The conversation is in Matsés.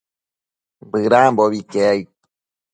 Bëdambobi iquec aid